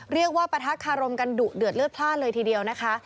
เรียกว่าประทักษ์คารมกันดุเดือดเลือดพลาดเลยทีเดียวนะคะ